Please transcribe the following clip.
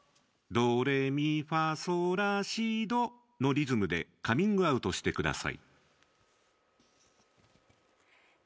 「ドレミファソラシド」のリズムでカミングアウトしてください。